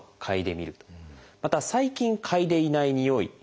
また最近嗅いでいないにおい。